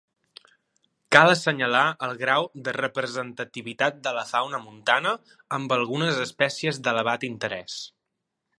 Cal assenyalar el grau de representativitat de la fauna montana amb algunes espècies d’elevat interès.